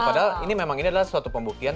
padahal ini memang ini adalah suatu pembuktian